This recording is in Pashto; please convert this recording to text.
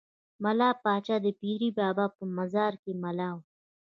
ملا پاچا د پیر بابا په مزار کې ملا وو.